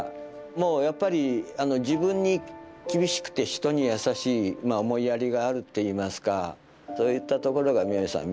もうやっぱり自分に厳しくて人に優しい思いやりがあるっていいますかそういったところが明恵さん